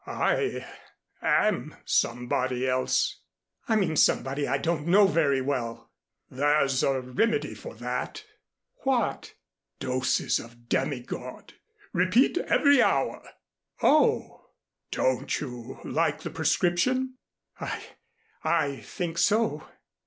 "I am somebody else." "I mean somebody I don't know very well." "There's a remedy for that." "What?" "Doses of demigod. Repeat every hour." "Oh !" "Don't you like the prescription?" "I I think so."